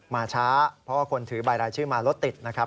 มาช้าเพราะว่าคนถือใบรายชื่อมารถติดนะครับ